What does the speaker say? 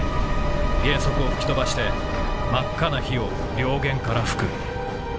舷側を吹き飛ばして真赤な火を両舷から吹く。